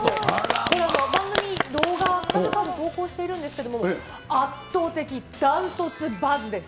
これは番組動画、数々投稿しているんですけれども、圧倒的断トツバズです。